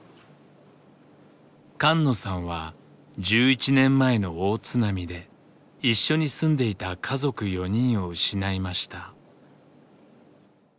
菅野さんは１１年前の大津波で一緒に住んでいた家族４人を失いました。